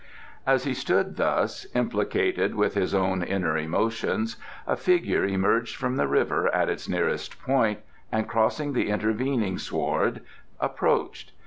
As he stood thus, implicated with his own inner emotions, a figure emerged from the river at its nearest point and, crossing the intervening sward, approached.